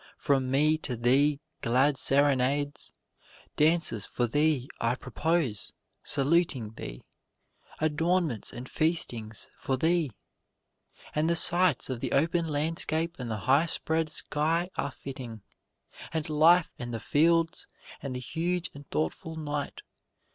From me to thee glad serenades, Dances for thee I propose, saluting thee, adornments and feastings for thee, And the sights of the open landscape and the high spread sky are fitting, And life and the fields, and the huge and thoughtful night.